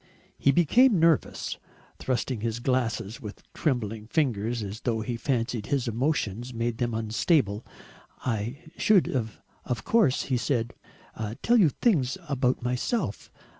He became nervous, thrusting at his glasses with trembling fingers as though he fancied his emotions made them unstable. "I should of course," he said, "tell you things about myself.